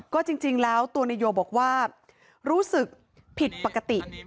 ก็จริงแล้วตัวนายโยบอกว่ารู้สึกผิดปกติ